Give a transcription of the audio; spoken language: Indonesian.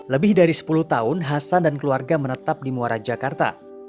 lebih dari sepuluh tahun hasan dan keluarga menetap di muara jakarta